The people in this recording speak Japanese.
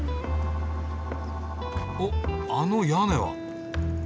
おあの屋根は。